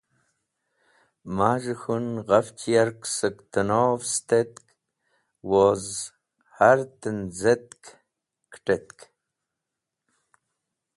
Maz̃hẽ k̃hũn ghafch yark sẽk tẽnov sẽtetk wos hẽr tẽnzẽtk kẽt̃etk.